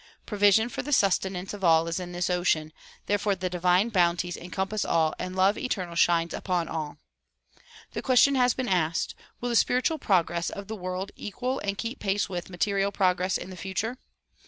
Provision for the suste nance of all is in this ocean therefore the divine bounties encom pass all and love eternal shines upon all. The question has been asked "Will the spiritual progress of the world equal and keep pace with material progress in the future?"